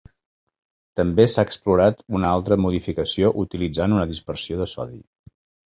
També s'ha explorat una altra modificació utilitzant una dispersió de sodi.